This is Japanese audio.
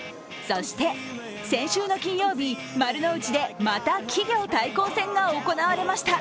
そして先週の金曜日、丸の内でまた企業対抗戦が行われました。